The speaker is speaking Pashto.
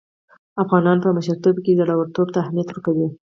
افغانان په مشرتوب کې زړه ورتوب ته اهميت ورکوي.